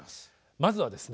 まずはですね